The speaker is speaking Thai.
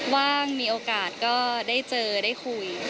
ว่างมีโอกาสก็ได้เจอได้คุย